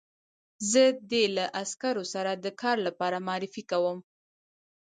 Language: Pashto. زه دې له عسکرو سره د کار لپاره معرفي کوم